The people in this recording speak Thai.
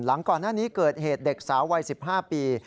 หลังก่อนหน้านี้เกิดเหตุเด็กสาววัย๑๕ปี